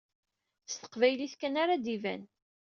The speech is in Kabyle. S teqbaylit kan ara ad iban.